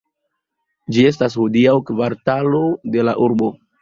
Ĝi estas hodiaŭ kvartalo de la urbo.